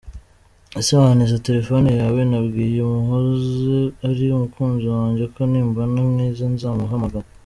Ese wantiza telephone yawe ?nabwiye uwahoze ari umukunzi wajye ko nimbona umwiza nzamuhamagara.